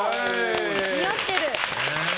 似合ってる！